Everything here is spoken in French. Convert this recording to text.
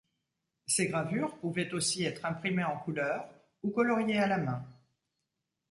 Ces gravures pouvaient aussi être imprimées en couleurs ou coloriées à la main.